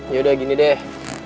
yaudah gini deh